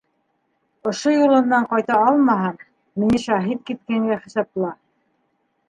Ошо юлымдан ҡайта алмаһам, мине шәһит киткәнгә хисапла.